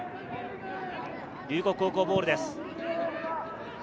龍谷高校ボールです。